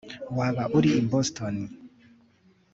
Waba uri i Boston